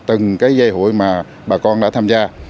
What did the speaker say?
từng cái dây hụi mà bà con đã tham gia